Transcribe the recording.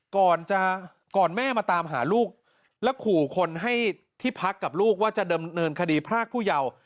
ก่อนจะก่อนแม่มาตามหาลูกแล้วขู่คนให้ที่พักกับลูกว่าจะดำเนินคดีพรากผู้เยาว์